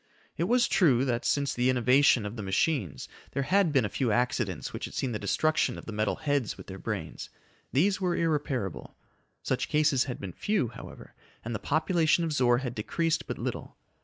It was true that, since the innovation of the machines, there had been a few accidents which had seen the destruction of the metal heads with their brains. These were irreparable. Such cases had been few, however, and the population of Zor had decreased but little.